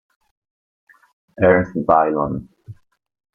Ernst Baylon